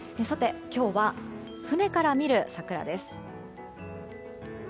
さて、今日は舟から見る桜です。